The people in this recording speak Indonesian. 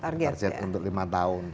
target untuk lima tahun